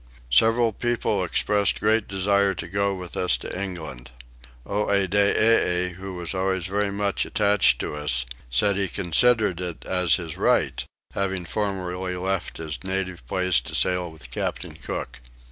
Several people expressed great desire to go with us to England. Oedidee, who was always very much attached to us, said he considered it as his right, having formerly left his native place to sail with Captain Cook.